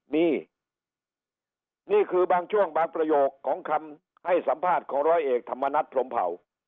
นี่นี่คือบางช่วงบางประโยคของคำให้สัมภาษณ์ของร้อยเอกธรรมนัฐพรมเผา